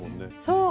そう！